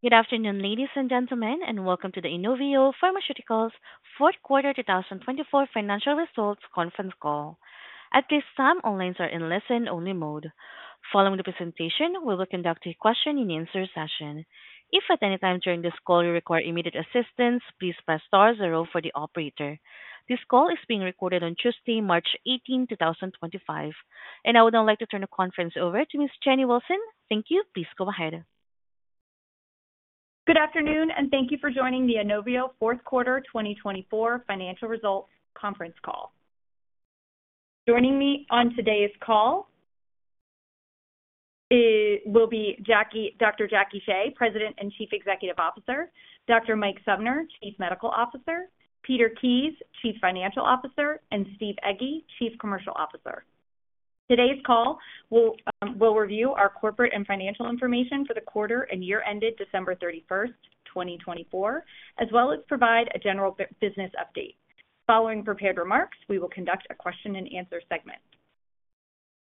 Good afternoon, ladies and gentlemen, and welcome to the INOVIO Pharmaceuticals Fourth Quarter 2024 Financial Results Conference Call. At this time, all lines are in listen-only mode. Following the presentation, we will conduct a question-and-answer session. If at any time during this call you require immediate assistance, please press star zero for the operator. This call is being recorded on Tuesday, March 18, 2025, and I would now like to turn the conference over to Ms. Jennie Willson. Thank you. Please go ahead. Good afternoon, and thank you for joining the INOVIO Fourth Quarter 2024 Financial Results Conference Call. Joining me on today's call will be Dr. Jacquie Shea, President and Chief Executive Officer; Dr. Mike Sumner, Chief Medical Officer; Peter Kies, Chief Financial Officer; and Steve Egge, Chief Commercial Officer. Today's call will review our corporate and financial information for the quarter and year ended December 31, 2024, as well as provide a general business update. Following prepared remarks, we will conduct a question-and-answer segment.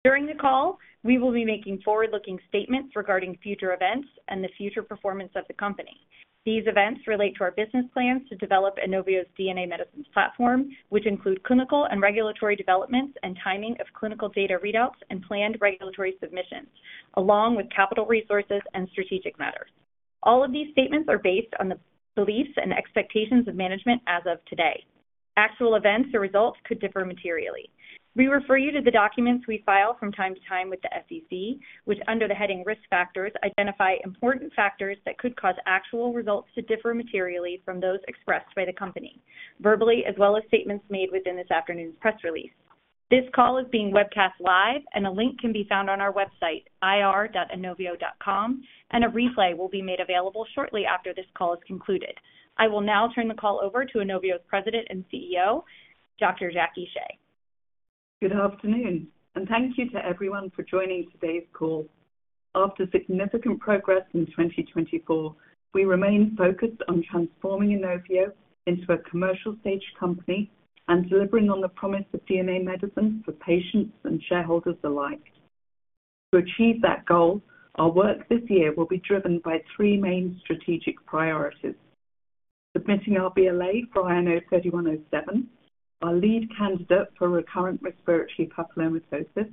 During the call, we will be making forward-looking statements regarding future events and the future performance of the company. These events relate to our business plans to develop INOVIO's DNA Medicines platform, which include clinical and regulatory developments and timing of clinical data readouts and planned regulatory submissions, along with capital resources and strategic matters. All of these statements are based on the beliefs and expectations of management as of today. Actual events or results could differ materially. We refer you to the documents we file from time to time with the SEC, which, under the heading Risk Factors, identify important factors that could cause actual results to differ materially from those expressed by the company, verbally as well as statements made within this afternoon's press release. This call is being webcast live, and a link can be found on our website, ir.inovio.com, and a replay will be made available shortly after this call is concluded. I will now turn the call over to INOVIO's President and CEO, Dr. Jacquie Shea. Good afternoon, and thank you to everyone for joining today's call. After significant progress in 2024, we remain focused on transforming INOVIO into a commercial-stage company and delivering on the promise of DNA medicines for patients and shareholders alike. To achieve that goal, our work this year will be driven by three main strategic priorities: submitting our BLA for INO-3107, our lead candidate for recurrent respiratory papillomatosis,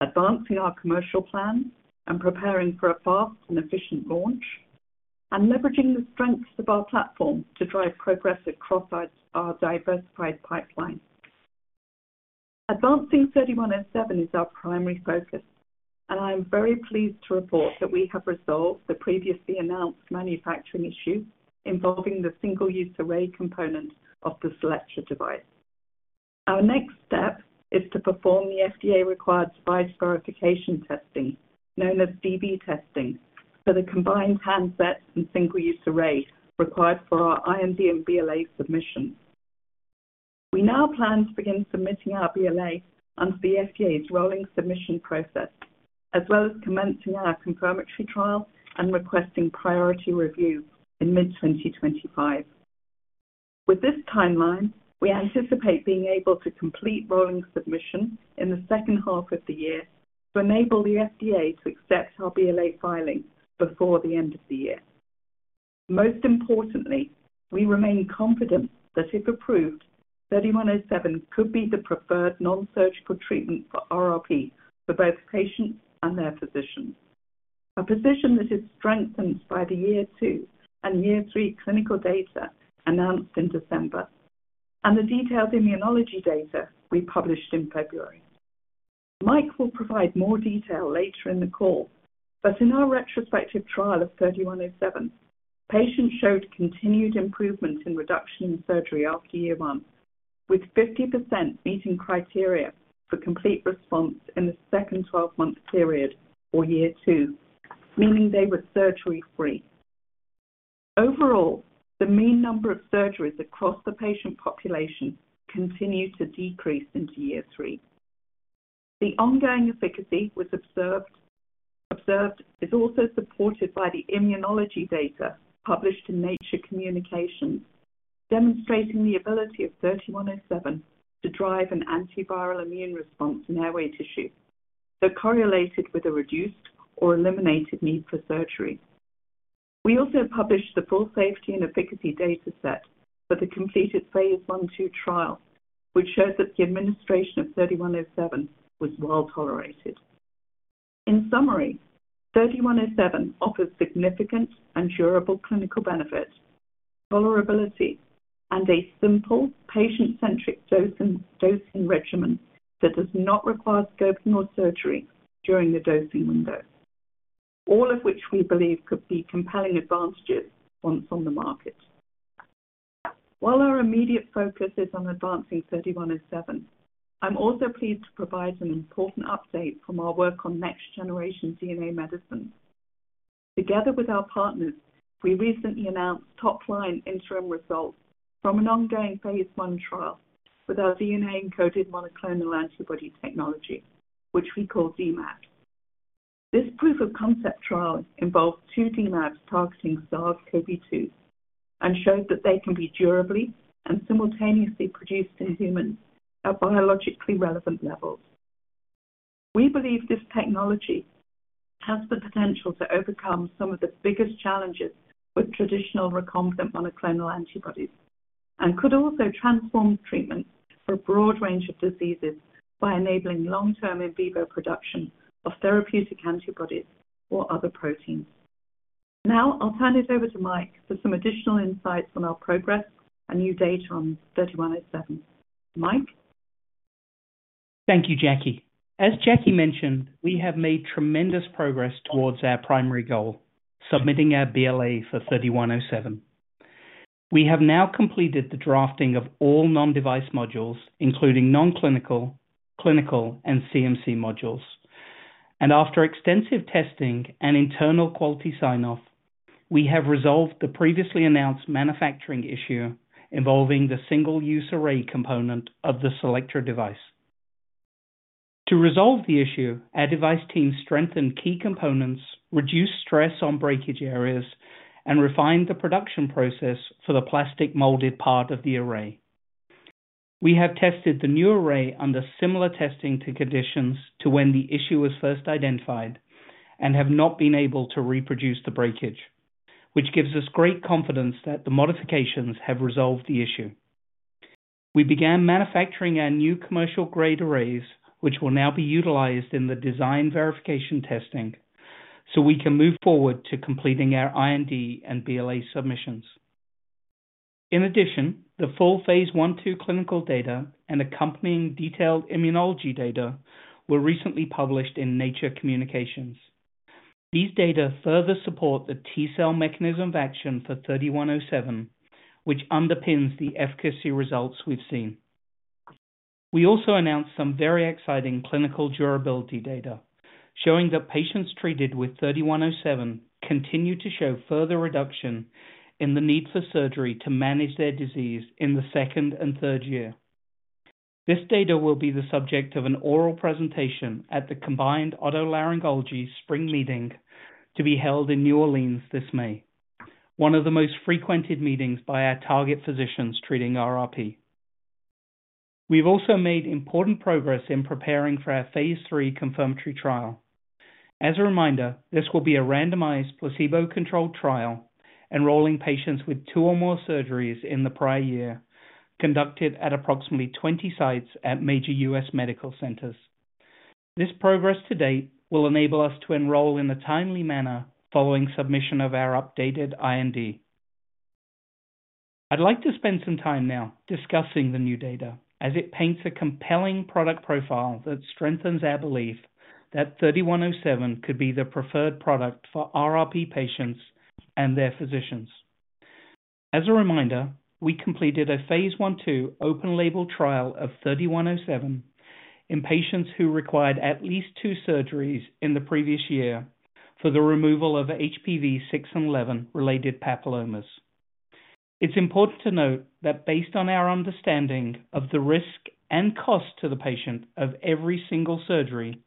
advancing our commercial plan and preparing for a fast and efficient launch, and leveraging the strengths of our platform to drive progress across our diversified pipeline. Advancing INO-3107 is our primary focus, and I am very pleased to report that we have resolved the previously announced manufacturing issue involving the single-use array component of the CELLECTRA device. Our next step is to perform the FDA-required [design] verification testing, known as DV testing, for the combined handset and single-use array required for our IND and BLA submissions. We now plan to begin submitting our BLA under the FDA's rolling submission process, as well as commencing our confirmatory trial and requesting priority review in mid-2025. With this timeline, we anticipate being able to complete rolling submission in the second half of the year to enable the FDA to accept our BLA filing before the end of the year. Most importantly, we remain confident that if approved, 3107 could be the preferred non-surgical treatment for RRP for both patients and their physicians, a position that is strengthened by the year-two and year-three clinical data announced in December and the detailed immunology data we published in February. Mike will provide more detail later in the call, but in our retrospective trial of INO-3107, patients showed continued improvement in reduction in surgery after year one, with 50% meeting criteria for complete response in the second 12-month period or year two, meaning they were surgery-free. Overall, the mean number of surgeries across the patient population continued to decrease into year three. The ongoing efficacy was observed. It is also supported by the immunology data published in Nature Communications, demonstrating the ability of INO-3107 to drive an antiviral immune response in airway tissue, though correlated with a reduced or eliminated need for surgery. We also published the full safety and efficacy data set for the completed Phase 1/2 trial, which showed that the administration of INO-3107 was well tolerated. In summary, INO-3107 offers significant and durable clinical benefit, tolerability, and a simple, patient-centric dosing regimen that does not require scoping or surgery during the dosing window, all of which we believe could be compelling advantages once on the market. While our immediate focus is on advancing INO-3107, I'm also pleased to provide an important update from our work on next-generation DNA medicines. Together with our partners, we recently announced top-line interim results from an ongoing Phase I trial with our DNA-encoded monoclonal antibody technology, which we call DMAb. This proof-of-concept trial involved two DMAbs targeting SARS-CoV-2 and showed that they can be durably and simultaneously produced in humans at biologically relevant levels. We believe this technology has the potential to overcome some of the biggest challenges with traditional recombinant monoclonal antibodies and could also transform treatments for a broad range of diseases by enabling long-term in vivo production of therapeutic antibodies or other proteins. Now, I'll turn it over to Mike for some additional insights on our progress and new data on INO-3107. Mike. Thank you, Jacquie. As Jacquie mentioned, we have made tremendous progress towards our primary goal, submitting our BLA for 3107. We have now completed the drafting of all non-device modules, including non-clinical, clinical, and CMC modules. After extensive testing and internal quality sign-off, we have resolved the previously announced manufacturing issue involving the single-use array component of the CELLECTRA device. To resolve the issue, our device team strengthened key components, reduced stress on breakage areas, and refined the production process for the plastic-molded part of the array. We have tested the new array under similar testing conditions to when the issue was first identified and have not been able to reproduce the breakage, which gives us great confidence that the modifications have resolved the issue. We began manufacturing our new commercial-grade arrays, which will now be utilized in the design verification testing, so we can move forward to completing our IND and BLA submissions. In addition, the full Phase 1/2 clinical data and accompanying detailed immunology data were recently published in Nature Communications. These data further support the T-cell mechanism of action for INO-3107, which underpins the efficacy results we've seen. We also announced some very exciting clinical durability data, showing that patients treated with INO-3107 continue to show further reduction in the need for surgery to manage their disease in the second and third year. This data will be the subject of an oral presentation at the Combined Otolaryngology Spring Meeting to be held in New Orleans this May, one of the most frequented meetings by our target physicians treating RRP. We've also made important progress in preparing for our Phase III confirmatory trial. As a reminder, this will be a randomized placebo-controlled trial enrolling patients with two or more surgeries in the prior year, conducted at approximately 20 sites at major U.S. medical centers. This progress to date will enable us to enroll in a timely manner following submission of our updated IND. I'd like to spend some time now discussing the new data, as it paints a compelling product profile that strengthens our belief that INO-3107 could be the preferred product for RRP patients and their physicians. As a reminder, we completed a Phase I/2 open-label trial of 3107 in patients who required at least two surgeries in the previous year for the removal of HPV 6 and 11-related papillomas. It's important to note that based on our understanding of the risk and cost to the patient of every single surgery,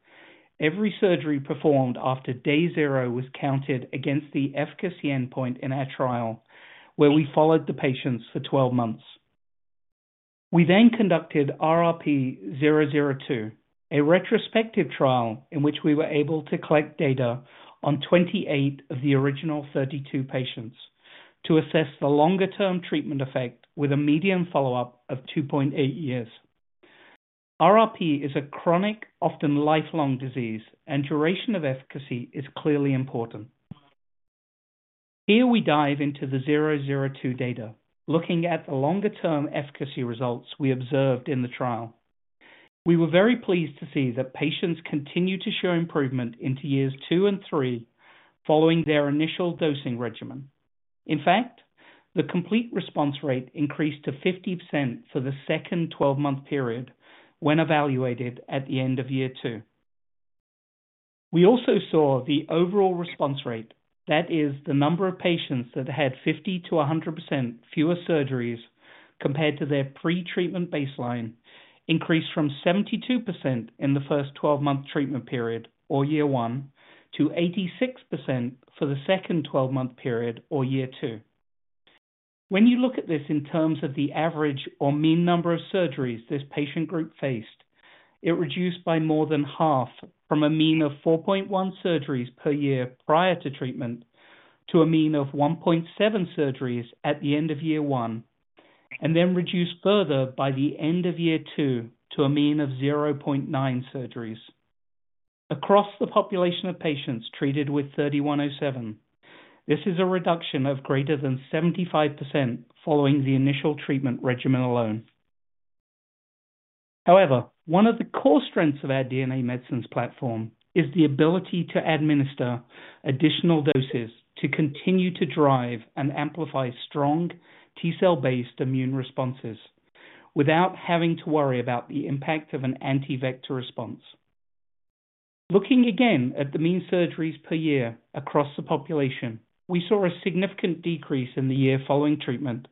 every surgery performed after day zero was counted against the efficacy endpoint in our trial, where we followed the patients for 12 months. We then conducted RRP 002, a retrospective trial in which we were able to collect data on 28 of the original 32 patients to assess the longer-term treatment effect with a median follow-up of 2.8 years. RRP is a chronic, often lifelong disease, and duration of efficacy is clearly important. Here we dive into the 002 data, looking at the longer-term efficacy results we observed in the trial. We were very pleased to see that patients continued to show improvement into years two and three following their initial dosing regimen. In fact, the complete response rate increased to 50% for the second 12-month period when evaluated at the end of year two. We also saw the overall response rate, that is, the number of patients that had 50%-100% fewer surgeries compared to their pre-treatment baseline, increased from 72% in the first 12-month treatment period, or year one, to 86% for the second 12-month period, or year two. When you look at this in terms of the average or mean number of surgeries this patient group faced, it reduced by more than half from a mean of 4.1 surgeries per year prior to treatment to a mean of 1.7 surgeries at the end of year one, and then reduced further by the end of year two to a mean of 0.9 surgeries. Across the population of patients treated with INO-3107, this is a reduction of greater than 75% following the initial treatment regimen alone. However, one of the core strengths of our DNA Medicines platform is the ability to administer additional doses to continue to drive and amplify strong T-cell-based immune responses without having to worry about the impact of an anti-vector response. Looking again at the mean surgeries per year across the population, we saw a significant decrease in the year following treatment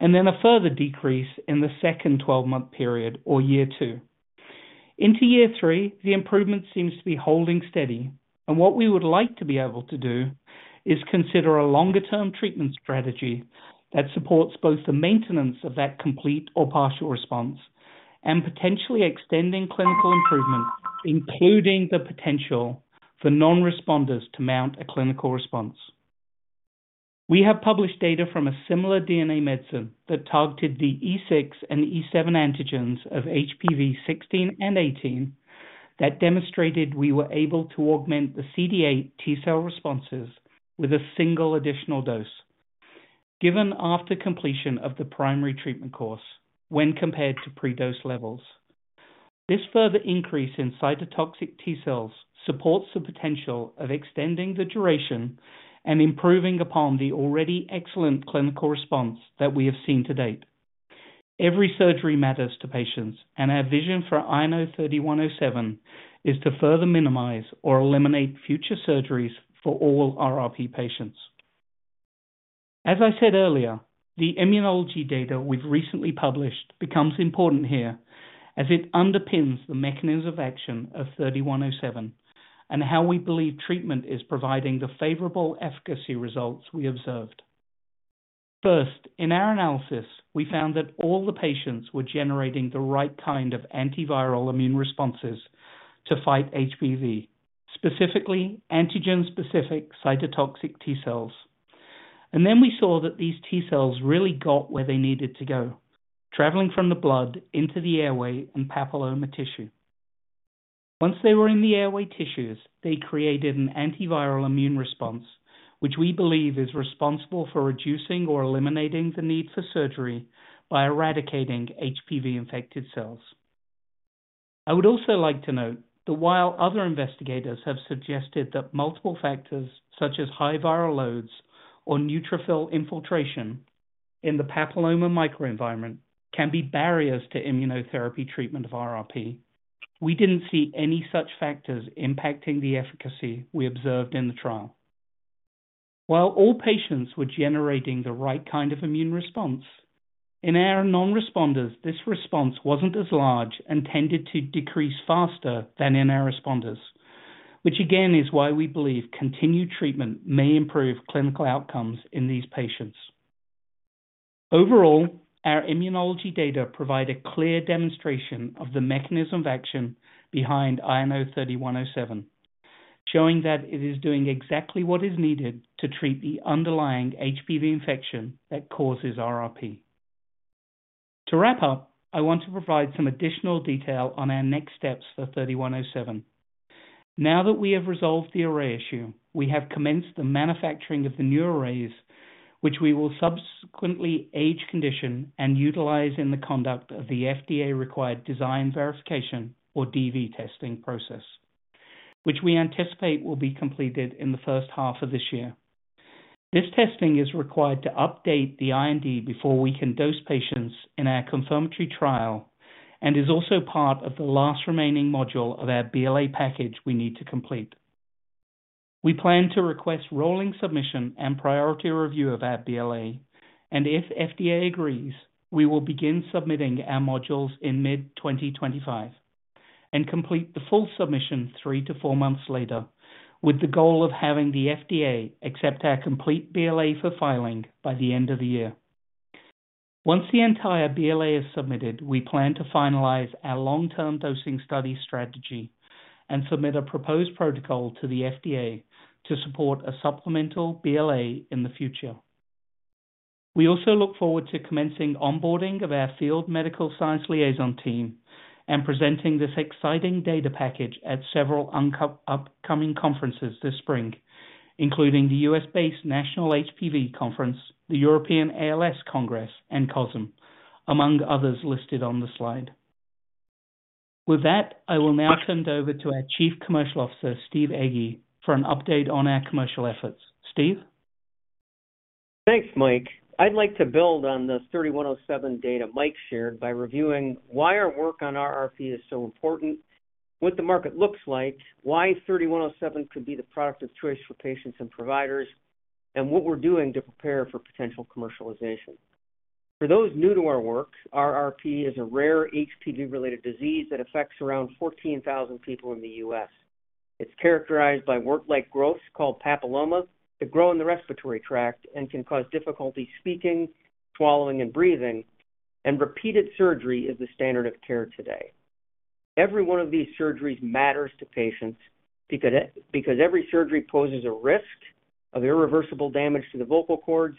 and then a further decrease in the second 12-month period, or year two. Into year three, the improvement seems to be holding steady, and what we would like to be able to do is consider a longer-term treatment strategy that supports both the maintenance of that complete or partial response and potentially extending clinical improvement, including the potential for non-responders to mount a clinical response. We have published data from a similar DNA medicine that targeted the E6 and E7 antigens of HPV 16 and 18 that demonstrated we were able to augment the CD8 T-cell responses with a single additional dose, given after completion of the primary treatment course when compared to predose levels. This further increase in cytotoxic T-cells supports the potential of extending the duration and improving upon the already excellent clinical response that we have seen to date. Every surgery matters to patients, and our vision for INO-3107 is to further minimize or eliminate future surgeries for all RRP patients. As I said earlier, the immunology data we've recently published becomes important here as it underpins the mechanism of action of INO-3107 and how we believe treatment is providing the favorable efficacy results we observed. First, in our analysis, we found that all the patients were generating the right kind of antiviral immune responses to fight HPV, specifically antigen-specific cytotoxic T-cells. We saw that these T-cells really got where they needed to go, traveling from the blood into the airway and papilloma tissue. Once they were in the airway tissues, they created an antiviral immune response, which we believe is responsible for reducing or eliminating the need for surgery by eradicating HPV-infected cells. I would also like to note that while other investigators have suggested that multiple factors such as high viral loads or neutrophil infiltration in the papilloma microenvironment can be barriers to immunotherapy treatment of RRP, we didn't see any such factors impacting the efficacy we observed in the trial. While all patients were generating the right kind of immune response, in our non-responders, this response was not as large and tended to decrease faster than in our responders, which again is why we believe continued treatment may improve clinical outcomes in these patients. Overall, our immunology data provide a clear demonstration of the mechanism of action behind INO-3107, showing that it is doing exactly what is needed to treat the underlying HPV infection that causes RRP. To wrap up, I want to provide some additional detail on our next steps for INO-3107. Now that we have resolved the array issue, we have commenced the manufacturing of the new arrays, which we will subsequently age condition and utilize in the conduct of the FDA-required design verification, or DV testing process, which we anticipate will be completed in the first half of this year. This testing is required to update the IND before we can dose patients in our confirmatory trial and is also part of the last remaining module of our BLA package we need to complete. We plan to request rolling submission and priority review of our BLA, and if FDA agrees, we will begin submitting our modules in mid-2025 and complete the full submission three to four months later, with the goal of having the FDA accept our complete BLA for filing by the end of the year. Once the entire BLA is submitted, we plan to finalize our long-term dosing study strategy and submit a proposed protocol to the FDA to support a supplemental BLA in the future. We also look forward to commencing onboarding of our field medical science liaison team and presenting this exciting data package at several upcoming conferences this spring, including the U.S.-based National HPV Conference, the European ALS Congress, and COSM, among others listed on the slide. With that, I will now turn it over to our Chief Commercial Officer, Steve Egge, for an update on our commercial efforts. Steve? Thanks, Mike. I'd like to build on the INO-3107 data Mike shared by reviewing why our work on RRP is so important, what the market looks like, why INO-3107 could be the product of choice for patients and providers, and what we're doing to prepare for potential commercialization. For those new to our work, RRP is a rare HPV-related disease that affects around 14,000 people in the U.S. It's characterized by wart-like growths called papilloma that grow in the respiratory tract and can cause difficulty speaking, swallowing, and breathing, and repeated surgery is the standard of care today. Every one of these surgeries matters to patients because every surgery poses a risk of irreversible damage to the vocal cords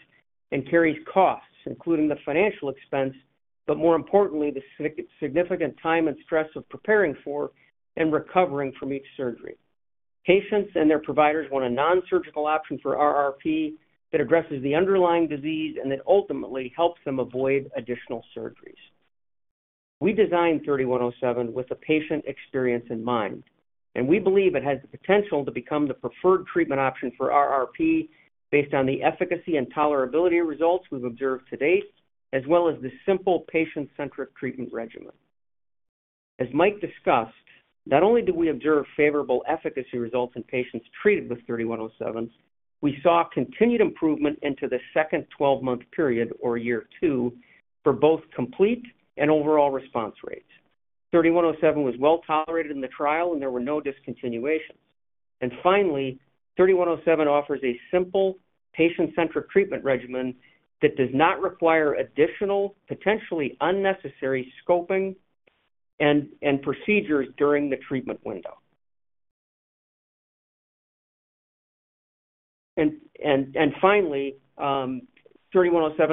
and carries costs, including the financial expense, but more importantly, the significant time and stress of preparing for and recovering from each surgery. Patients and their providers want a non-surgical option for RRP that addresses the underlying disease and that ultimately helps them avoid additional surgeries. We designed 3107 with the patient experience in mind, and we believe it has the potential to become the preferred treatment option for RRP based on the efficacy and tolerability results we've observed to date, as well as the simple patient-centric treatment regimen. As Mike discussed, not only did we observe favorable efficacy results in patients treated with INO-3107, we saw continued improvement into the second 12-month period, or year two, for both complete and overall response rates. INO-3107 was well tolerated in the trial, and there were no discontinuations. Finally, INO-3107 offers a simple patient-centric treatment regimen that does not require additional, potentially unnecessary scoping and procedures during the treatment window. Finally, INO-3107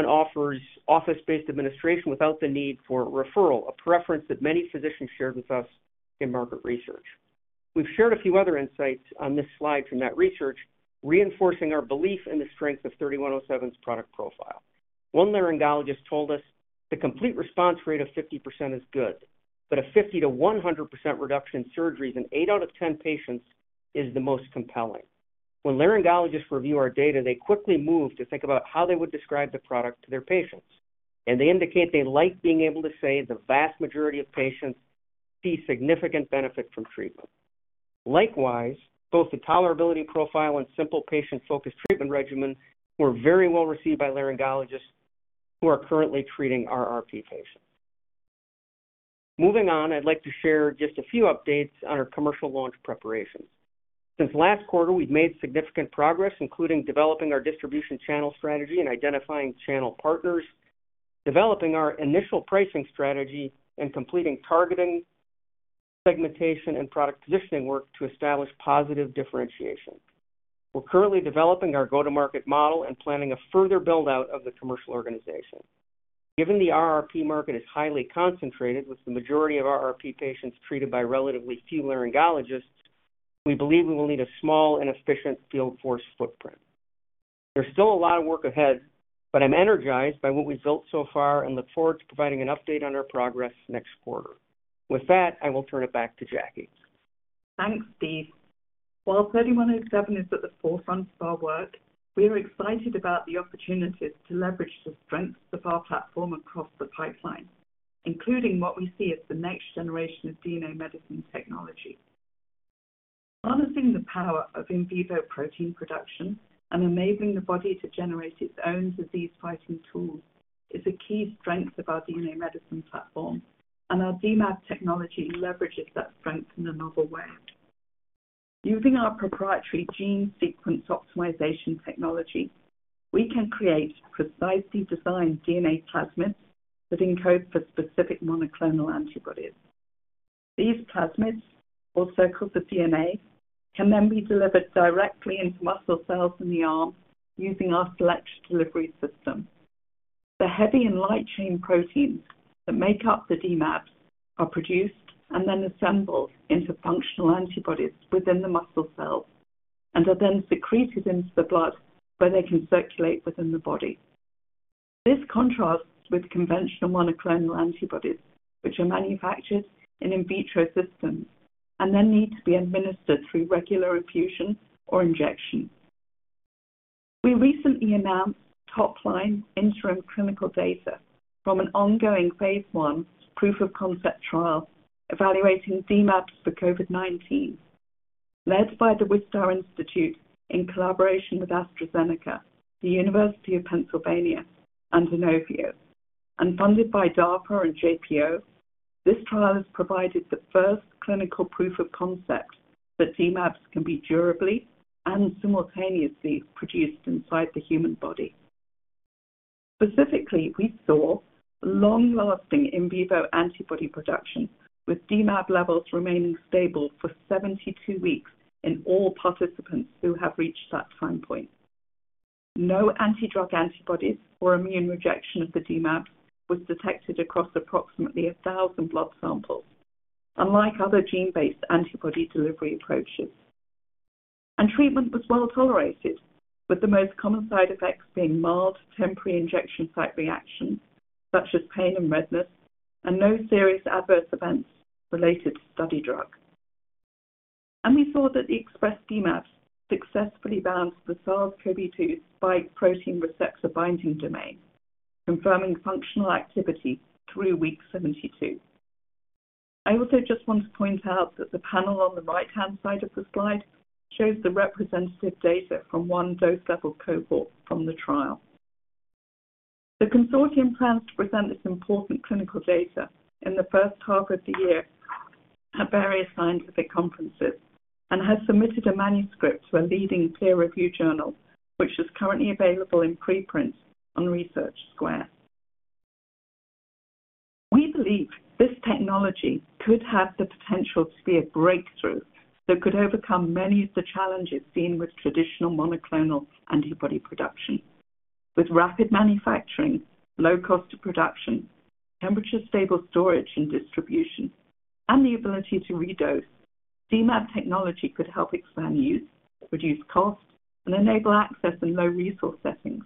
offers office-based administration without the need for referral, a preference that many physicians shared with us in market research. We have shared a few other insights on this slide from that research, reinforcing our belief in the strength of INO-3107's product profile. One laryngologist told us the complete response rate of 50% is good, but a 50%-100% reduction in surgeries in eight out of 10 patients is the most compelling. When laryngologists review our data, they quickly move to think about how they would describe the product to their patients, and they indicate they like being able to say the vast majority of patients see significant benefit from treatment. Likewise, both the tolerability profile and simple patient-focused treatment regimen were very well received by laryngologists who are currently treating RRP patients. Moving on, I would like to share just a few updates on our commercial launch preparations. Since last quarter, we've made significant progress, including developing our distribution channel strategy and identifying channel partners, developing our initial pricing strategy, and completing targeting, segmentation, and product positioning work to establish positive differentiation. We're currently developing our go-to-market model and planning a further build-out of the commercial organization. Given the RRP market is highly concentrated, with the majority of RRP patients treated by relatively few laryngologists, we believe we will need a small and efficient field force footprint. There's still a lot of work ahead, but I'm energized by what we've built so far and look forward to providing an update on our progress next quarter. With that, I will turn it back to Jacquie. Thanks, Steve. While INO-3107 is at the forefront of our work, we are excited about the opportunities to leverage the strengths of our platform across the pipeline, including what we see as the next generation of DNA medicine technology. Harnessing the power of in vivo protein production and enabling the body to generate its own disease-fighting tools is a key strength of our DNA medicine platform, and our DMAb technology leverages that strength in a novel way. Using our proprietary gene sequence optimization technology, we can create precisely designed DNA plasmids that encode for specific monoclonal antibodies. These plasmids, or circular DNA, can then be delivered directly into muscle cells in the arm using our CELLECTRA delivery system. The heavy and light chain proteins that make up the DMAbs are produced and then assembled into functional antibodies within the muscle cells and are then secreted into the blood where they can circulate within the body. This contrasts with conventional monoclonal antibodies, which are manufactured in in vitro systems and then need to be administered through regular infusion or injection. We recently announced top-line interim clinical data from an ongoing P proof of concept trial evaluating DMAbs for COVID-19. Led by the Wistar Institute in collaboration with AstraZeneca, the University of Pennsylvania, and INOVIO, and funded by DARPA and JPO, this trial has provided the first clinical proof of concept that DMAbs can be durably and simultaneously produced inside the human body. Specifically, we saw long-lasting in vivo antibody production, with DMAb levels remaining stable for 72 weeks in all participants who have reached that time point. No antidrug antibodies or immune rejection of the DMAbs was detected across approximately 1,000 blood samples, unlike other gene-based antibody delivery approaches. Treatment was well tolerated, with the most common side effects being mild temporary injection site reactions such as pain and redness, and no serious adverse events related to study drug. We saw that the expressed DMAbs successfully bound the SARS-CoV-2 spike protein receptor binding domain, confirming functional activity through week 72. I also just want to point out that the panel on the right-hand side of the slide shows the representative data from one dose-level cohort from the trial. The consortium plans to present this important clinical data in the first half of the year at various scientific conferences and has submitted a manuscript to a leading peer-reviewed journal, which is currently available in preprint on Research Square. We believe this technology could have the potential to be a breakthrough that could overcome many of the challenges seen with traditional monoclonal antibody production. With rapid manufacturing, low cost of production, temperature-stable storage and distribution, and the ability to redose, DMAb technology could help expand use, reduce costs, and enable access in low-resource settings.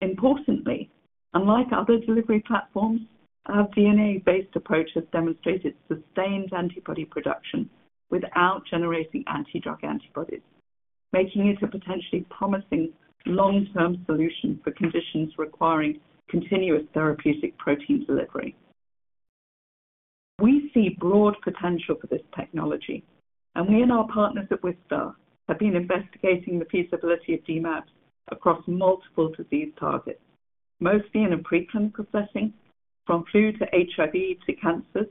Importantly, unlike other delivery platforms, our DNA-based approach has demonstrated sustained antibody production without generating antidrug antibodies, making it a potentially promising long-term solution for conditions requiring continuous therapeutic protein delivery. We see broad potential for this technology, and we and our partners at Wistar have been investigating the feasibility of DMAbs across multiple disease targets, mostly in a preclinical setting, from flu to HIV to cancers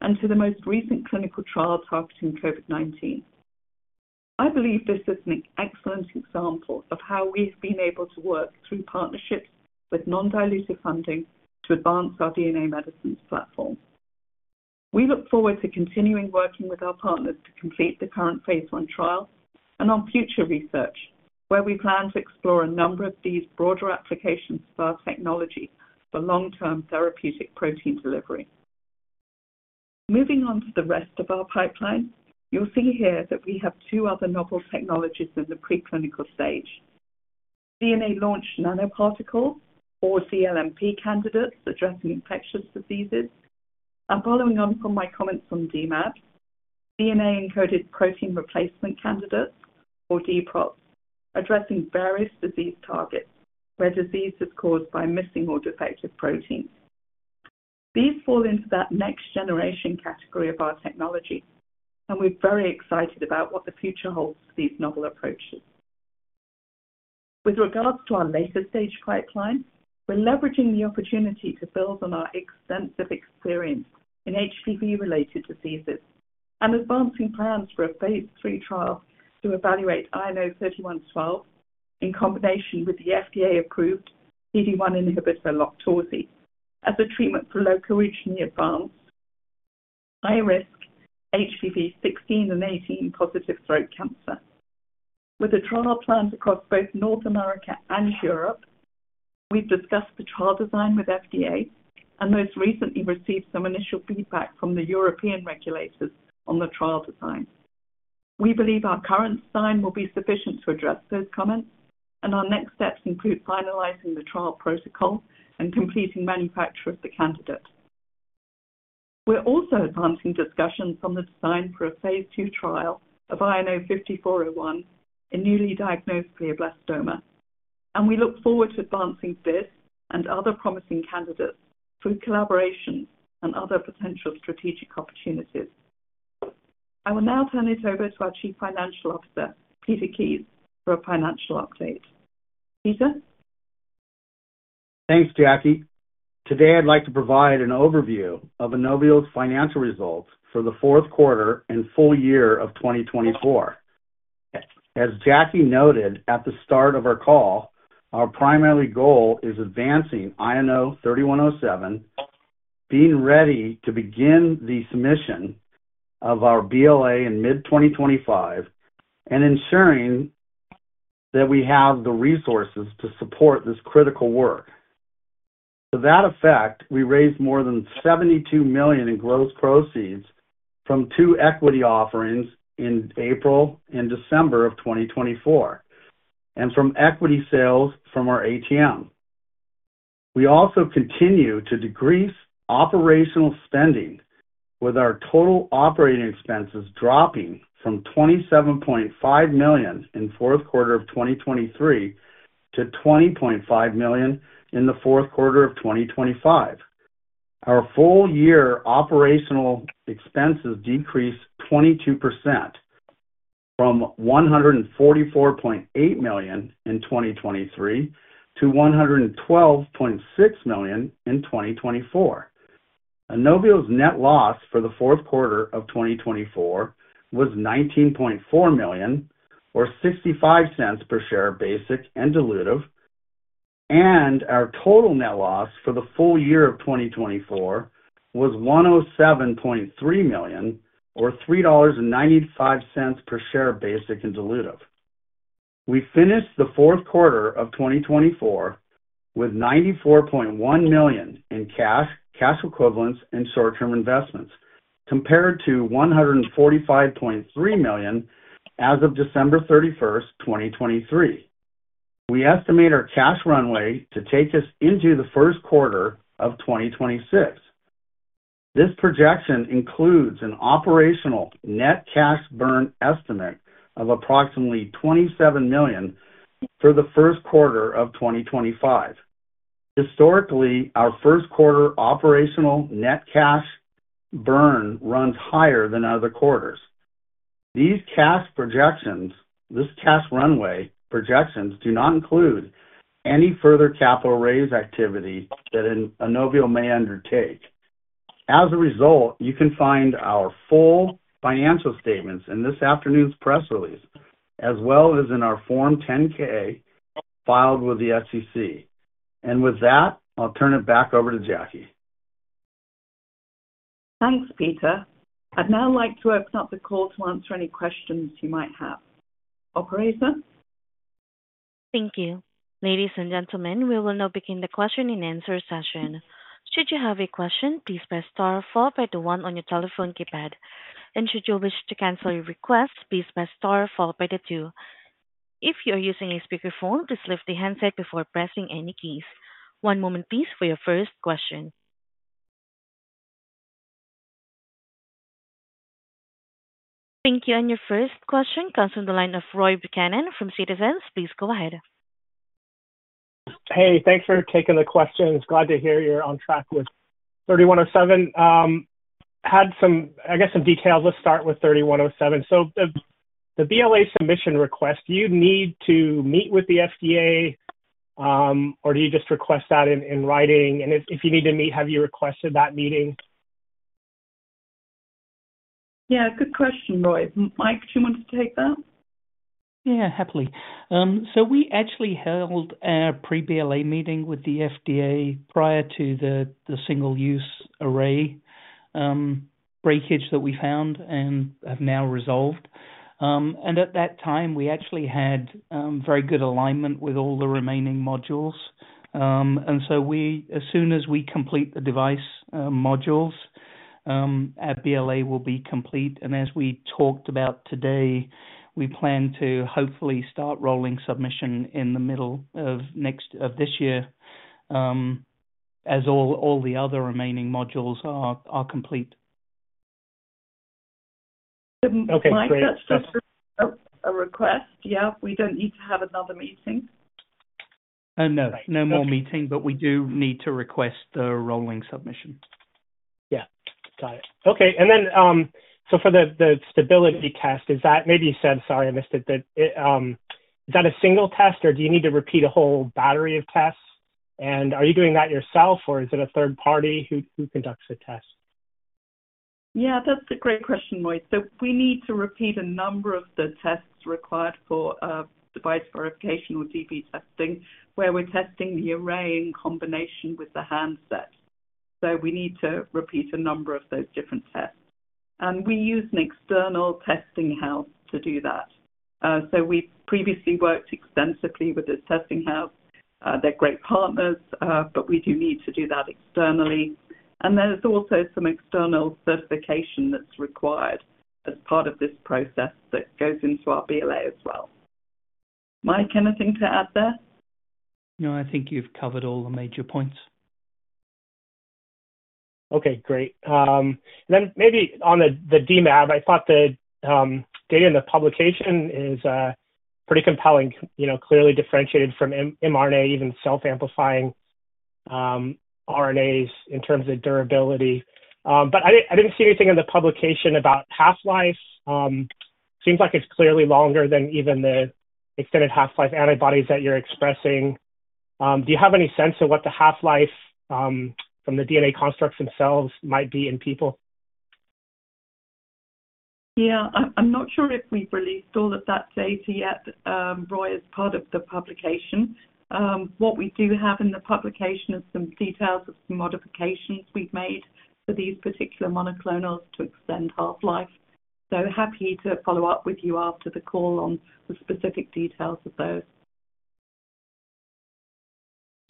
and to the most recent clinical trial targeting COVID-19. I believe this is an excellent example of how we have been able to work through partnerships with non-dilutive funding to advance our DNA medicines platform. We look forward to continuing working with our partners to complete the current Phase I trial and on future research, where we plan to explore a number of these broader applications of our technology for long-term therapeutic protein delivery. Moving on to the rest of our pipeline, you'll see here that we have two other novel technologies in the preclinical stage. DNA-launched nanoparticles, or dLNP candidates, addressing infectious diseases. Following on from my comments on DMAbs, DNA-encoded protein replacement candidates, or dProts, addressing various disease targets where disease is caused by missing or defective proteins. These fall into that next-generation category of our technology, and we're very excited about what the future holds for these novel approaches. With regards to our later-stage pipeline, we're leveraging the opportunity to build on our extensive experience in HPV-related diseases and advancing plans for a Phase III trial to evaluate INO-3112 in combination with the FDA-approved PD-1 inhibitor, LOQTORZI, as a treatment for locally originally advanced, high-risk HPV 16 and 18 positive throat cancer. With the trial planned across both North America and Europe, we've discussed the trial design with FDA and most recently received some initial feedback from the European regulators on the trial design. We believe our current design will be sufficient to address those comments, and our next steps include finalizing the trial protocol and completing manufacture of the candidate. We're also advancing discussions on the design for a Phase II trial of INO-5401 in newly diagnosed glioblastoma, and we look forward to advancing this and other promising candidates through collaborations and other potential strategic opportunities. I will now turn it over to our Chief Financial Officer, Peter Kies, for a financial update. Peter? Thanks, Jacquie. Today, I'd like to provide an overview of INOVIO's financial results for the fourth quarter and full year of 2024. As Jacquie noted at the start of our call, our primary goal is advancing INO-3107, being ready to begin the submission of our BLA in mid-2025, and ensuring that we have the resources to support this critical work. To that effect, we raised more than $72 million in gross proceeds from two equity offerings in April and December of 2024, and from equity sales from our ATM. We also continue to decrease operational spending, with our total operating expenses dropping from $27.5 million in the fourth quarter of 2023 to $20.5 million in the fourth quarter of 2024. Our full-year operational expenses decreased 22% from $144.8 million in 2023 to $112.6 million in 2024. INOVIO's net loss for the fourth quarter of 2024 was $19.4 million, or $0.65 per share basic and dilutive, and our total net loss for the full year of 2024 was $107.3 million, or $3.95 per share basic and dilutive. We finished the fourth quarter of 2024 with $94.1 million in cash, cash equivalents, and short-term investments, compared to $145.3 million as of December 31, 2023. We estimate our cash runway to take us into the first quarter of 2026. This projection includes an operational net cash burn estimate of approximately $27 million for the first quarter of 2025. Historically, our first quarter operational net cash burn runs higher than other quarters. These cash projections, this cash runway projections, do not include any further capital raise activity that INOVIO may undertake. As a result, you can find our full financial statements in this afternoon's press release, as well as in our Form 10-K filed with the SEC. With that, I'll turn it back over to Jacquie. Thanks, Peter. I'd now like to open up the call to answer any questions you might have. Operator? Thank you. Ladies and gentlemen, we will now begin the question and answer session. Should you have a question, please press star followed by the one on your telephone keypad. Should you wish to cancel your request, please press star followed by the two. If you are using a speakerphone, please lift the handset before pressing any keys. One moment, please, for your first question. Thank you. Your first question comes from the line of Roy Buchanan from Citizens. Please go ahead. Hey, thanks for taking the question. Glad to hear you're on track with INO-3107. I had some, I guess, some details. Let's start with INO-3107. The BLA submission request, do you need to meet with the FDA, or do you just request that in writing? If you need to meet, have you requested that meeting? Yeah, good question, Roy. Mike, do you want to take that? Yeah, happily. We actually held a pre-BLA meeting with the FDA prior to the single-use array breakage that we found and have now resolved. At that time, we actually had very good alignment with all the remaining modules. As soon as we complete the device modules, our BLA will be complete. As we talked about today, we plan to hopefully start rolling submission in the middle of this year as all the other remaining modules are complete. Okay. Mike, that's just a request. Yeah, we don't need to have another meeting. No, no more meeting, but we do need to request the rolling submission. Yeah, got it. Okay. For the stability test, is that, maybe you said, sorry, I missed it, is that a single test, or do you need to repeat a whole battery of tests? Are you doing that yourself, or is it a third party who conducts the test? Yeah, that's a great question, Roy. We need to repeat a number of the tests required for device verification or DV testing, where we're testing the array in combination with the handset. We need to repeat a number of those different tests. We use an external testing house to do that. We previously worked extensively with this testing house. They're great partners, but we do need to do that externally. There's also some external certification that's required as part of this process that goes into our BLA as well. Mike, anything to add there? No, I think you've covered all the major points. Okay, great. Maybe on the DMAb, I thought the data in the publication is pretty compelling, clearly differentiated from mRNA, even self-amplifying RNAs in terms of durability. I did not see anything in the publication about half-life. Seems like it is clearly longer than even the extended half-life antibodies that you are expressing. Do you have any sense of what the half-life from the DNA constructs themselves might be in people? Yeah, I'm not sure if we've released all of that data yet, Roy, as part of the publication. What we do have in the publication are some details of some modifications we've made for these particular monoclonals to extend half-life. Happy to follow up with you after the call on the specific details of those.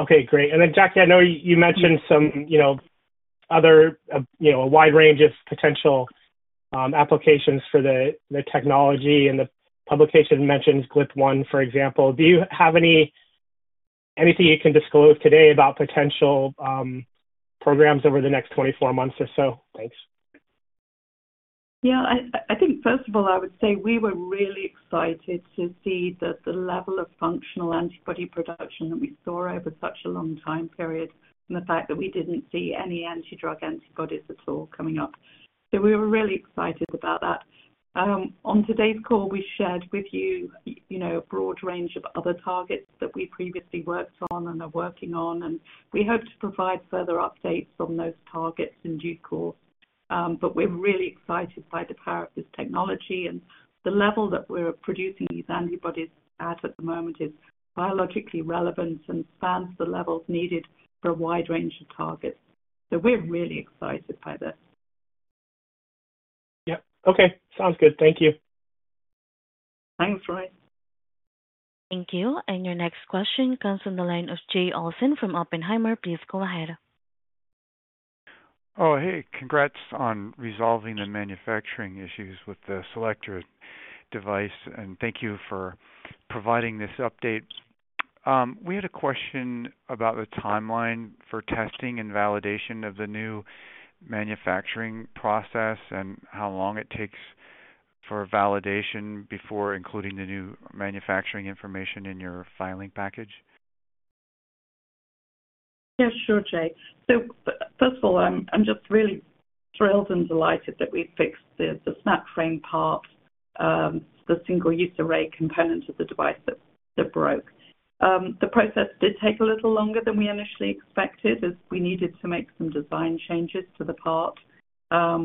Okay, great. Jacquie, I know you mentioned some other wide range of potential applications for the technology, and the publication mentions GLP-1, for example. Do you have anything you can disclose today about potential programs over the next 24 months or so? Thanks. Yeah, I think first of all, I would say we were really excited to see that the level of functional antibody production that we saw over such a long time period and the fact that we did not see any antidrug antibodies at all coming up. We were really excited about that. On today's call, we shared with you a broad range of other targets that we previously worked on and are working on, and we hope to provide further updates on those targets in due course. We are really excited by the power of this technology, and the level that we are producing these antibodies at at the moment is biologically relevant and spans the levels needed for a wide range of targets. We are really excited by this. Yep. Okay, sounds good. Thank you. Thanks, Roy. Thank you. Your next question comes from the line of Jay Olson from Oppenheimer. Please go ahead. Oh, hey, congrats on resolving the manufacturing issues with the CELLECTRA device, and thank you for providing this update. We had a question about the timeline for testing and validation of the new manufacturing process and how long it takes for validation before including the new manufacturing information in your filing package. Yeah, sure, Jay. First of all, I'm just really thrilled and delighted that we fixed the snap frame part, the single-use array component of the device that broke. The process did take a little longer than we initially expected, as we needed to make some design changes to the part,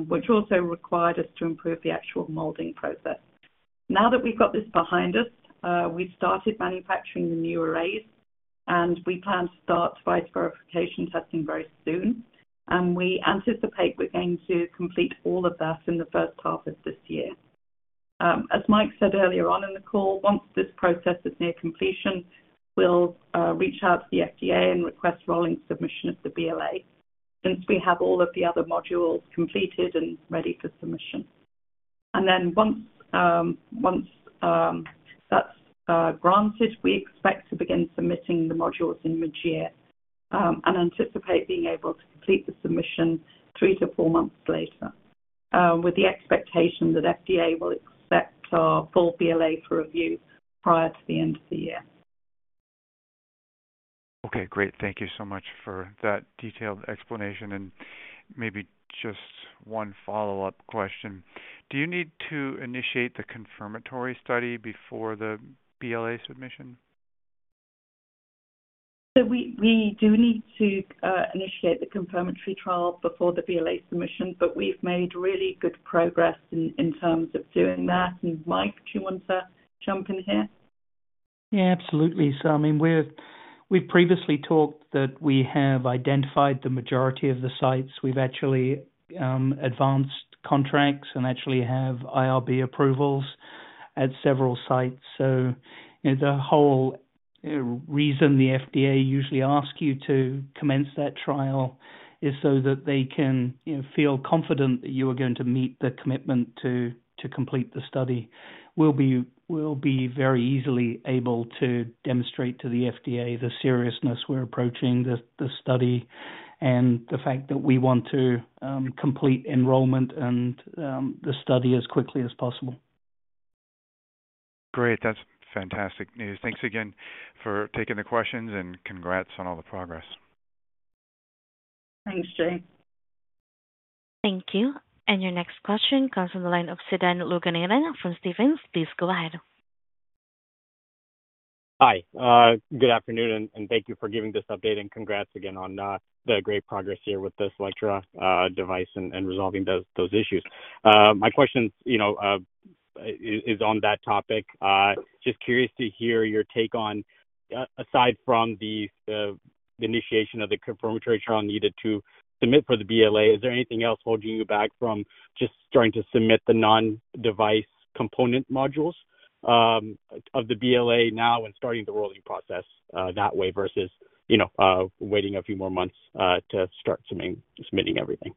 which also required us to improve the actual molding process. Now that we've got this behind us, we've started manufacturing the new arrays, and we plan to start device verification testing very soon. We anticipate we're going to complete all of that in the first half of this year. As Mike said earlier on in the call, once this process is near completion, we'll reach out to the FDA and request rolling submission of the BLA since we have all of the other modules completed and ready for submission. Once that's granted, we expect to begin submitting the modules in mid-year and anticipate being able to complete the submission three to four months later, with the expectation that FDA will accept our full BLA for review prior to the end of the year. Okay, great. Thank you so much for that detailed explanation. Maybe just one follow-up question. Do you need to initiate the confirmatory study before the BLA submission? We do need to initiate the confirmatory trial before the BLA submission, but we've made really good progress in terms of doing that. Mike, do you want to jump in here? Yeah, absolutely. I mean, we've previously talked that we have identified the majority of the sites. We've actually advanced contracts and actually have IRB approvals at several sites. The whole reason the FDA usually asks you to commence that trial is so that they can feel confident that you are going to meet the commitment to complete the study. We'll be very easily able to demonstrate to the FDA the seriousness we're approaching the study and the fact that we want to complete enrollment and the study as quickly as possible. Great. That's fantastic news. Thanks again for taking the questions, and congrats on all the progress. Thanks, Jay. Thank you. Your next question comes from the line of Sudan Loganathan from Stephens. Please go ahead. Hi, good afternoon, and thank you for giving this update and congrats again on the great progress here with this CELLECTRA device and resolving those issues. My question is on that topic. Just curious to hear your take on, aside from the initiation of the confirmatory trial needed to submit for the BLA, is there anything else holding you back from just starting to submit the non-device component modules of the BLA now and starting the rolling process that way versus waiting a few more months to start submitting everything?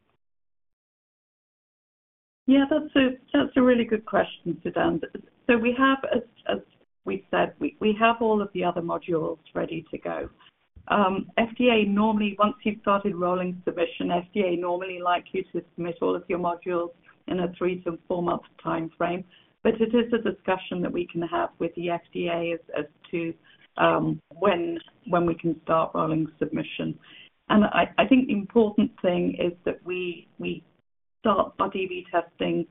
Yeah, that's a really good question, Sudan. We have, as we said, we have all of the other modules ready to go. FDA normally, once you've started rolling submission, FDA normally likes you to submit all of your modules in a three to four-month time frame. It is a discussion that we can have with the FDA as to when we can start rolling submission. I think the important thing is that we start our DV testing,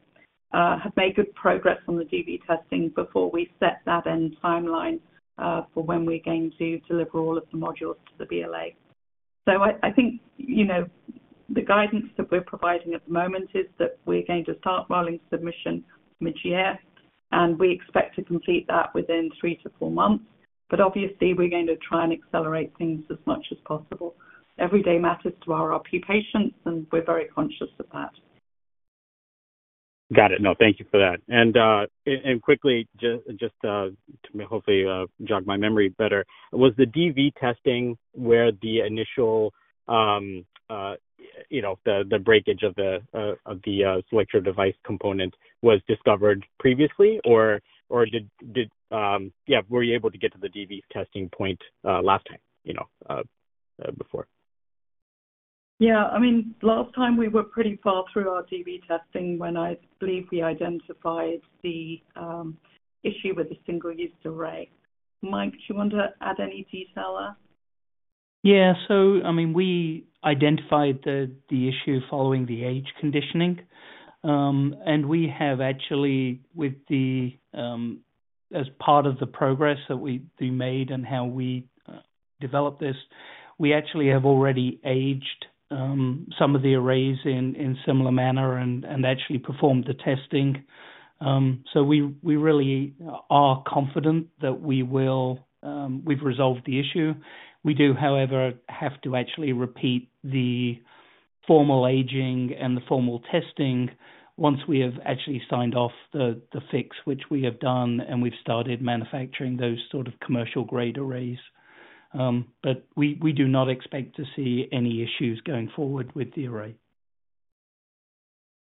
have made good progress on the DV testing before we set that end timeline for when we're going to deliver all of the modules to the BLA. I think the guidance that we're providing at the moment is that we're going to start rolling submission mid-year, and we expect to complete that within three to four months. Obviously, we're going to try and accelerate things as much as possible. Every day matters to our occupations, and we're very conscious of that. Got it. No, thank you for that. Just to hopefully jog my memory better, was the DV testing where the initial breakage of the CELLECTRA device component was discovered previously, or did you get to the DV testing point last time before? Yeah, I mean, last time we were pretty far through our DV testing when I believe we identified the issue with the single-use array. Mike, do you want to add any detail there? Yeah. I mean, we identified the issue following the age conditioning. We have actually, as part of the progress that we made and how we developed this, already aged some of the arrays in a similar manner and actually performed the testing. We really are confident that we've resolved the issue. We do, however, have to actually repeat the formal aging and the formal testing once we have actually signed off the fix, which we have done, and we've started manufacturing those sort of commercial-grade arrays. We do not expect to see any issues going forward with the array.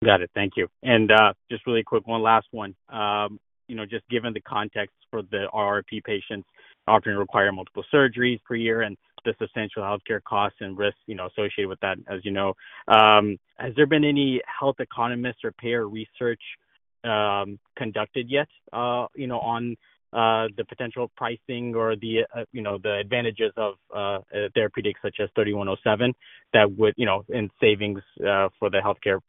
Got it. Thank you. Just really quick, one last one. Just given the context for the RRP patients, often require multiple surgeries per year, and the substantial healthcare costs and risks associated with that, as you know. Has there been any health economist or payer research conducted yet on the potential pricing or the advantages of therapeutics such as INO-3107 that would in savings for the healthcare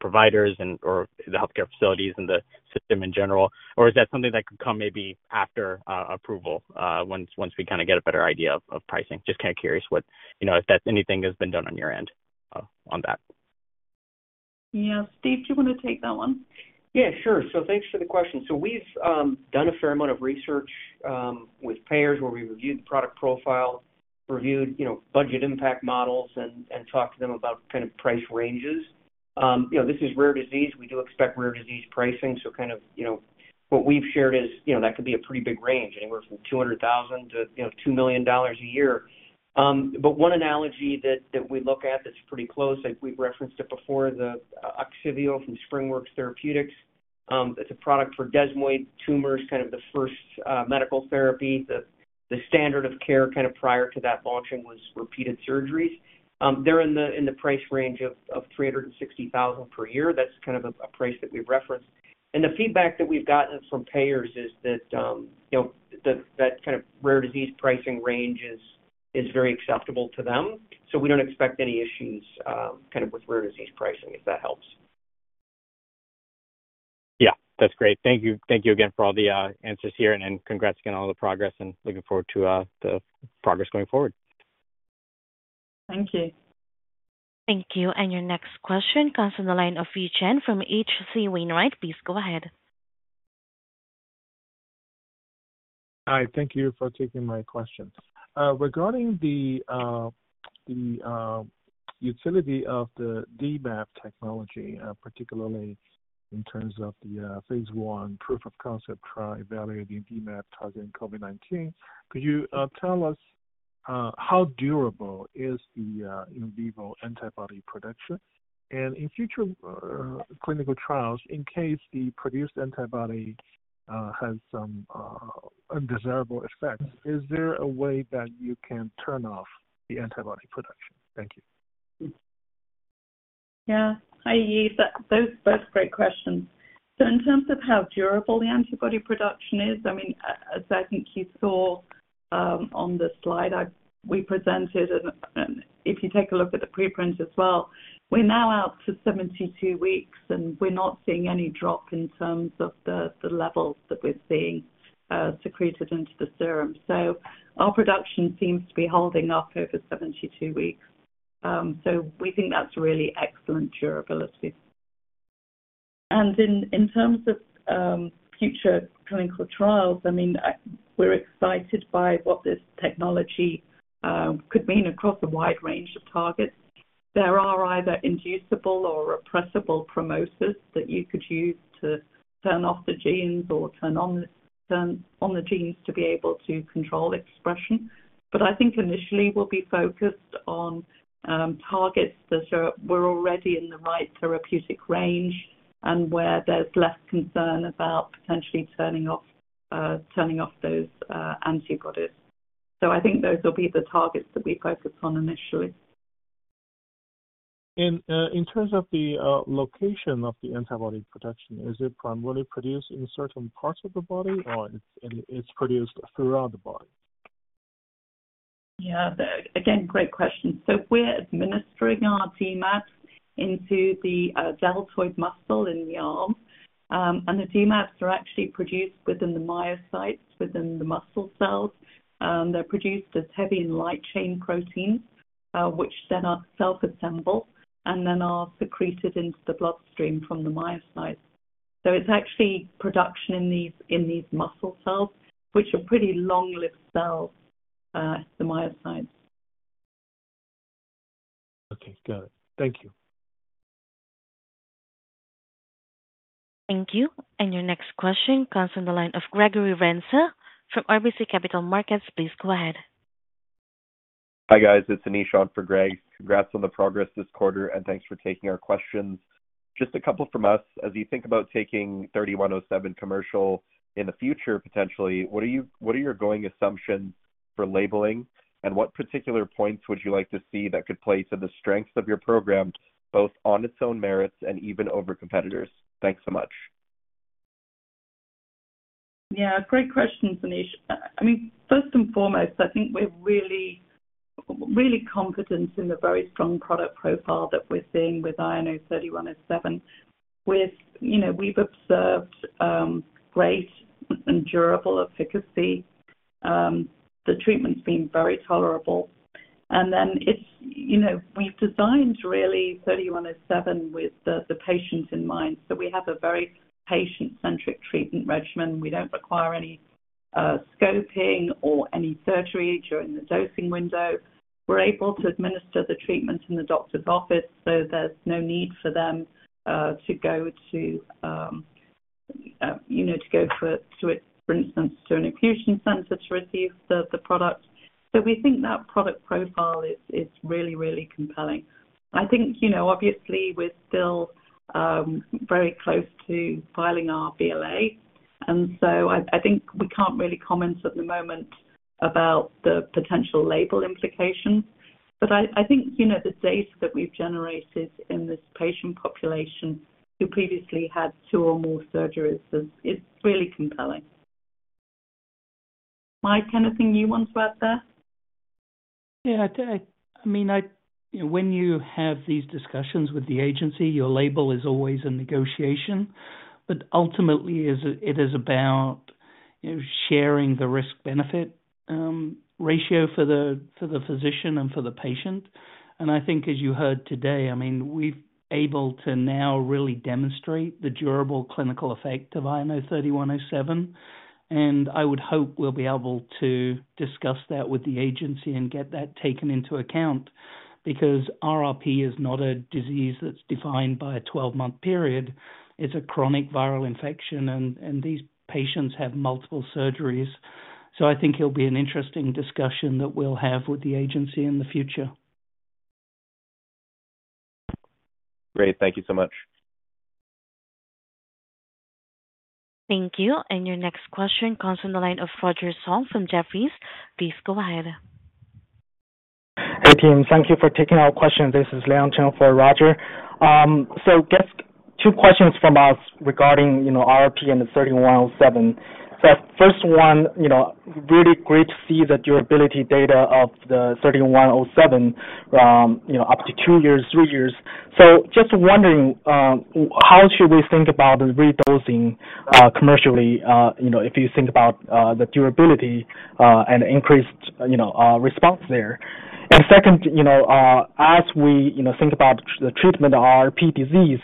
providers or the healthcare facilities and the system in general? Is that something that could come maybe after approval once we kind of get a better idea of pricing? Just kind of curious if anything has been done on your end on that. Yeah. Steve, do you want to take that one? Yeah, sure. Thanks for the question. We've done a fair amount of research with payers where we reviewed the product profile, reviewed budget impact models, and talked to them about kind of price ranges. This is rare disease. We do expect rare disease pricing. What we've shared is that could be a pretty big range, anywhere from $200,000-$2 million a year. One analogy that we look at that's pretty close, like we've referenced it before, the OGSIVEO from SpringWorks Therapeutics. It's a product for desmoid tumors, kind of the first medical therapy. The standard of care kind of prior to that launching was repeated surgeries. They're in the price range of $360,000 per year. That's kind of a price that we've referenced. The feedback that we've gotten from payers is that that kind of rare disease pricing range is very acceptable to them. We don't expect any issues kind of with rare disease pricing, if that helps. Yeah, that's great. Thank you again for all the answers here, and congrats again on all the progress, and looking forward to the progress going forward. Thank you. Thank you. Your next question comes from the line of Yi Chen from H.C. Wainwright. Please go ahead. Hi, thank you for taking my question. Regarding the utility of the DMAb technology, particularly in terms of the Phase I proof of concept trial evaluating DMAb targeting COVID-19, could you tell us how durable is the in vivo antibody production? In future clinical trials, in case the produced antibody has some undesirable effects, is there a way that you can turn off the antibody production? Thank you. Yeah. Hi, Yi. Those are both great questions. In terms of how durable the antibody production is, I mean, as I think you saw on the slide we presented, and if you take a look at the preprint as well, we're now out to 72 weeks, and we're not seeing any drop in terms of the levels that we're seeing secreted into the serum. Our production seems to be holding up over 72 weeks. We think that's really excellent durability. In terms of future clinical trials, I mean, we're excited by what this technology could mean across a wide range of targets. There are either inducible or repressible promoters that you could use to turn off the genes or turn on the genes to be able to control expression. I think initially we'll be focused on targets that are already in the right therapeutic range and where there's less concern about potentially turning off those antibodies. I think those will be the targets that we focus on initially. In terms of the location of the antibody production, is it primarily produced in certain parts of the body, or it's produced throughout the body? Yeah. Again, great question. We're administering our DMAbs into the deltoid muscle in the arm. The DMAbs are actually produced within the myocytes, within the muscle cells. They're produced as heavy and light chain proteins, which then self-assemble and are secreted into the bloodstream from the myocytes. It's actually production in these muscle cells, which are pretty long-lived cells, the myocytes. Okay. Got it. Thank you. Thank you. Your next question comes from the line of Gregory Renza from RBC Capital Markets. Please go ahead. Hi guys. It's Anish Nikhanj for Greg. Congrats on the progress this quarter, and thanks for taking our questions. Just a couple from us. As you think about taking INO-3107 commercial in the future, potentially, what are your going assumptions for labeling, and what particular points would you like to see that could play to the strengths of your program, both on its own merits and even over competitors? Thanks so much. Yeah. Great question, Anish. I mean, first and foremost, I think we're really confident in the very strong product profile that we're seeing with INO-3107. We've observed great and durable efficacy. The treatment's been very tolerable. Then we've designed really INO-3107 with the patient in mind. We have a very patient-centric treatment regimen. We don't require any scoping or any surgery during the dosing window. We're able to administer the treatment in the doctor's office, so there's no need for them to go to, for instance, an infusion center to receive the product. We think that product profile is really, really compelling. I think obviously we're still very close to filing our BLA, and I think we can't really comment at the moment about the potential label implications. I think the data that we've generated in this patient population who previously had two or more surgeries is really compelling. Mike, anything you want to add there? Yeah. I mean, when you have these discussions with the agency, your label is always a negotiation. Ultimately, it is about sharing the risk-benefit ratio for the physician and for the patient. I think as you heard today, I mean, we're able to now really demonstrate the durable clinical effect of INO-3107. I would hope we'll be able to discuss that with the agency and get that taken into account because RRP is not a disease that's defined by a 12-month period. It's a chronic viral infection, and these patients have multiple surgeries. I think it'll be an interesting discussion that we'll have with the agency in the future. Great. Thank you so much. Thank you. Your next question comes from the line of Roger Song from Jefferies. Please go ahead. Hey, team. Thank you for taking our questions. This is Liang Cheng for Roger. Just two questions from us regarding RRP and the INO-3107. First one, really great to see the durability data of the INO-3107 up to two years, three years. Just wondering, how should we think about the re-dosing commercially if you think about the durability and increased response there? Second, as we think about the treatment of RRP disease,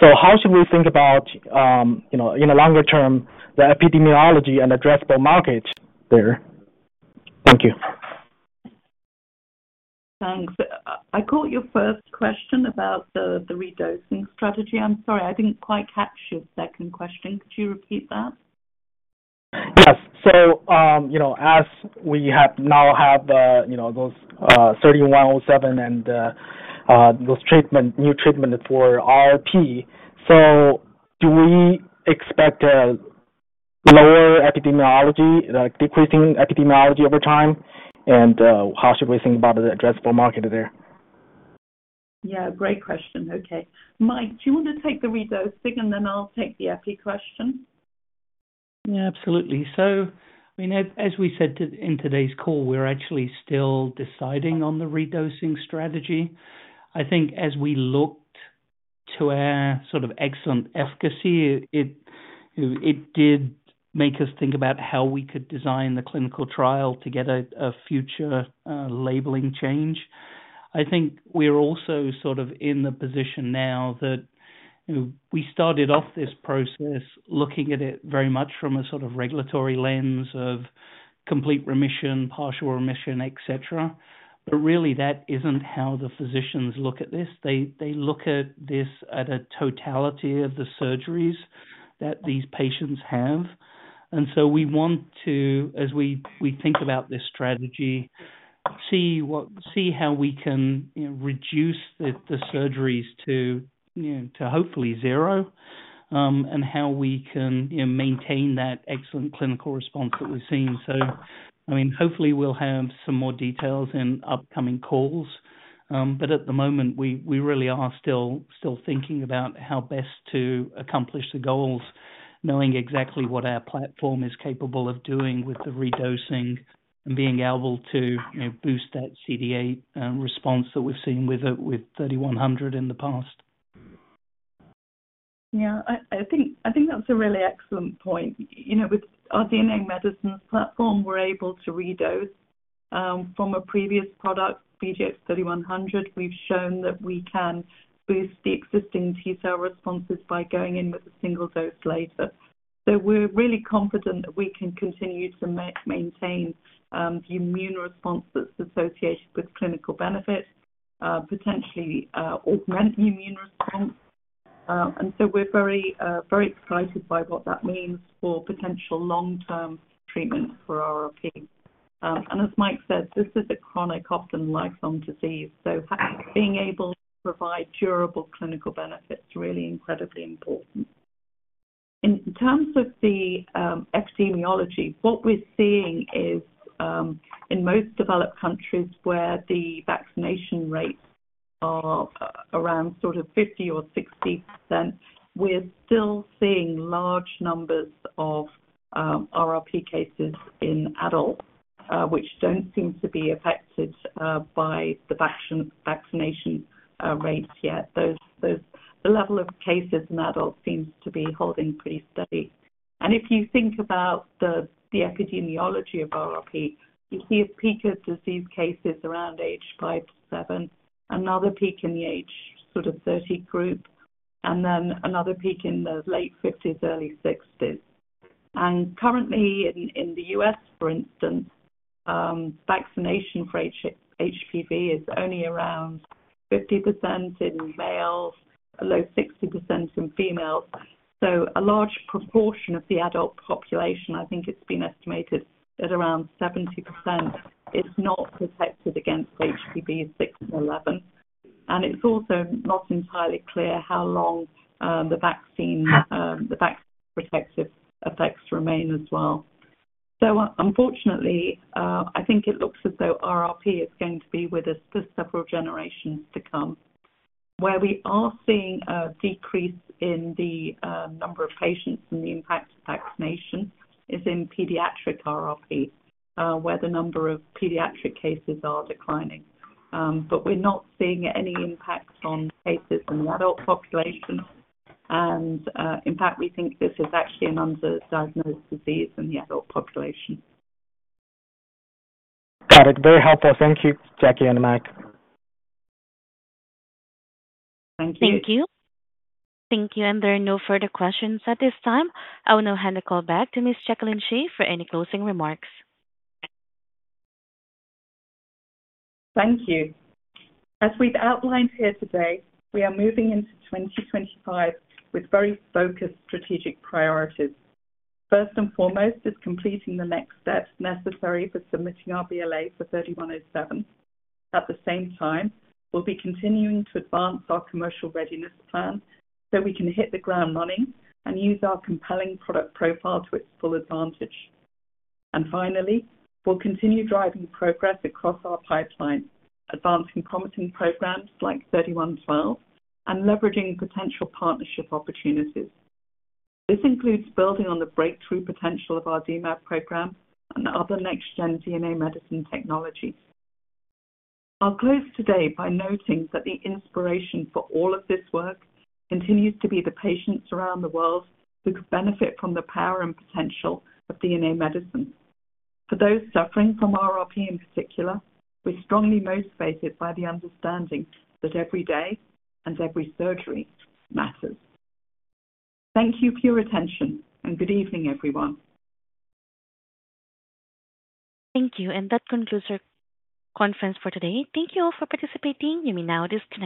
how should we think about in the longer term the epidemiology and addressable market there? Thank you. Thanks. I caught your first question about the re-dosing strategy. I'm sorry, I didn't quite catch your second question. Could you repeat that? Yes. As we now have those INO-3107 and those new treatments for RRP, do we expect lower epidemiology, decreasing epidemiology over time, and how should we think about the addressable market there? Yeah. Great question. Okay. Mike, do you want to take the re-dosing, and then I'll take the epi question? Yeah, absolutely. I mean, as we said in today's call, we're actually still deciding on the re-dosing strategy. I think as we looked to our sort of excellent efficacy, it did make us think about how we could design the clinical trial to get a future labeling change. I think we're also sort of in the position now that we started off this process looking at it very much from a sort of regulatory lens of complete remission, partial remission, etc. Really, that isn't how the physicians look at this. They look at this at a totality of the surgeries that these patients have. We want to, as we think about this strategy, see how we can reduce the surgeries to hopefully zero and how we can maintain that excellent clinical response that we've seen. I mean, hopefully, we'll have some more details in upcoming calls. At the moment, we really are still thinking about how best to accomplish the goals, knowing exactly what our platform is capable of doing with the re-dosing and being able to boost that CD8 response that we've seen with AMD3100 in the past. Yeah. I think that's a really excellent point. With our DNA Medicines platform, we're able to re-dose from a previous product, VGX-3100. We've shown that we can boost the existing T-cell responses by going in with a single dose later. We're really confident that we can continue to maintain the immune response that's associated with clinical benefits, potentially augment the immune response. We're very excited by what that means for potential long-term treatment for RRP. As Mike said, this is a chronic, often lifelong disease. Being able to provide durable clinical benefits is really incredibly important. In terms of the epidemiology, what we're seeing is in most developed countries where the vaccination rates are around sort of 50% or 60%, we're still seeing large numbers of RRP cases in adults, which don't seem to be affected by the vaccination rates yet. The level of cases in adults seems to be holding pretty steady. If you think about the epidemiology of RRP, you see a peak of disease cases around age five to seven, another peak in the age sort of 30 group, and then another peak in the late 50s, early 60s. Currently, in the U.S., for instance, vaccination for HPV is only around 50% in males, a low 60% in females. A large proportion of the adult population, I think it's been estimated at around 70%, is not protected against HPV 6 and 11. It's also not entirely clear how long the vaccine protective effects remain as well. Unfortunately, I think it looks as though RRP is going to be with us for several generations to come. Where we are seeing a decrease in the number of patients and the impact of vaccination is in pediatric RRP, where the number of pediatric cases are declining. We are not seeing any impact on cases in the adult population. In fact, we think this is actually an underdiagnosed disease in the adult population. Got it. Very helpful. Thank you, Jacquie and Mike. Thank you. Thank you. Thank you. There are no further questions at this time. I will now hand the call back to Ms. Jacqueline Shea for any closing remarks. Thank you. As we've outlined here today, we are moving into 2025 with very focused strategic priorities. First and foremost is completing the next steps necessary for submitting our BLA for INO-3107. At the same time, we'll be continuing to advance our commercial readiness plan so we can hit the ground running and use our compelling product profile to its full advantage. Finally, we'll continue driving progress across our pipeline, advancing promising programs like INO-3112 and leveraging potential partnership opportunities. This includes building on the breakthrough potential of our DMAb program and other next-gen DNA medicine technologies. I'll close today by noting that the inspiration for all of this work continues to be the patients around the world who could benefit from the power and potential of DNA medicine. For those suffering from RRP in particular, we are strongly motivated by the understanding that every day and every surgery matters. Thank you for your attention, and good evening, everyone. Thank you. That concludes our conference for today. Thank you all for participating. You may now disconnect.